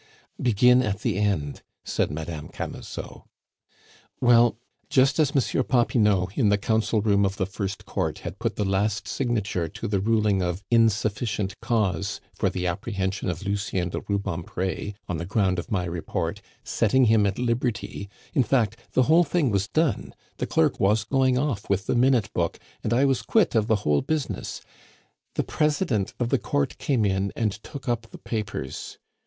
"Begin at the end," said Madame Camusot. "Well, just as Monsieur Popinot, in the council room of the first Court, had put the last signature to the ruling of 'insufficient cause' for the apprehension of Lucien de Rubempre on the ground of my report, setting him at liberty in fact, the whole thing was done, the clerk was going off with the minute book, and I was quit of the whole business the President of the Court came in and took up the papers.